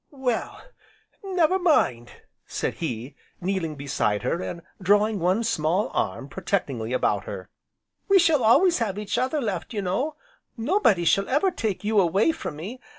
"Well, never mind!" said he, kneeling beside her, and drawing one small arm protectingly about her, "we shall always have each other left, you know, nobody shall ever take you away from me.